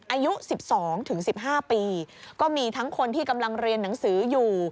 อายุ๑๒ถึง๑๕ปีก็มีทั้งคนที่กำลังเรียนหนังสืออยู่